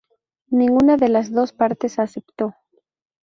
Ninguna de las dos partes aceptó.